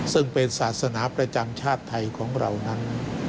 ซึ่งเป็นศาสนาประจำชาติไทยของเรานั้น